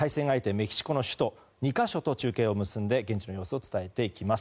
メキシコの首都２か所と中継を結んで現地の様子を伝えていきます。